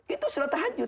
itu salat tahajud